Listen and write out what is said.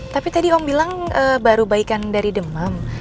tapi tadi om bilang baru baikan dari demam